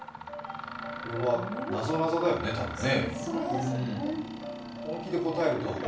これは、なぞなぞだよね、多分ね。